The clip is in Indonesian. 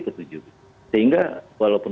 ke tujuh sehingga walaupun